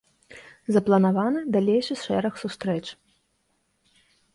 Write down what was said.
Запланаваны далейшы шэраг сустрэч.